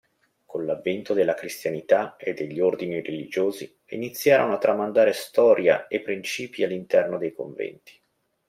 Con l'avvento della cristianità e degli ordini religiosi, iniziarono a tramandare storia e principi all'interno dei conventi.